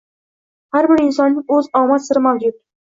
Har bir insonning õz omad siri mavjud